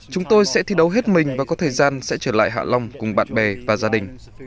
chúng tôi sẽ thi đấu hết mình và có thời gian sẽ trở lại hạ long cùng bạn bè và gia đình